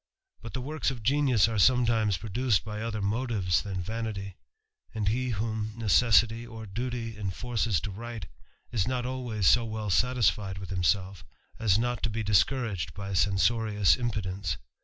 * But the works of genius are sometimes produced by other motives than vanity; and he whom necessity or duty enforces to write, is not always so well satisfied with him self, as not to be discouraged by censorious impudence.